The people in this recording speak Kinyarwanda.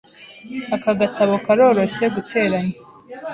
Aka gatabo karoroshye guteranya.